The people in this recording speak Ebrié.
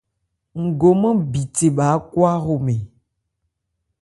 Ngomán bithe bha ákwa hromɛn.